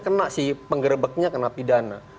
kena si penggerbeknya kena pidana